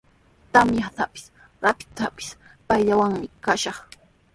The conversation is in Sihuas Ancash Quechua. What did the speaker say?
Tamyatrawpis, rapitrawpis payllawanmi kashaq.